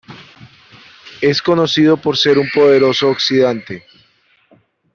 Es conocido por ser un poderoso oxidante.